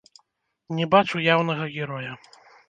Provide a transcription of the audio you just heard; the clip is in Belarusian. Не бачу яўнага героя.